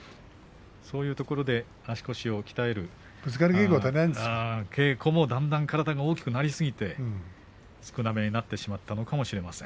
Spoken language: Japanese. そういうところで足腰を鍛える稽古もだんだん体が大きくなりすぎて少なめになっているのかもしれません。